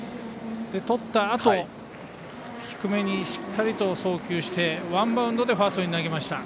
とったあと低めにしっかりと送球してワンバウンドでファーストに投げました。